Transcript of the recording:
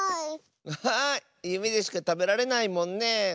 アハーゆめでしかたべられないもんね。